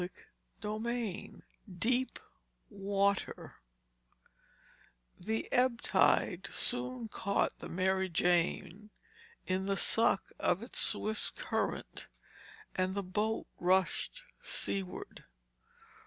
Chapter IX DEEP WATER The ebb tide soon caught the Mary Jane in the suck of its swift current and the boat rushed seaward.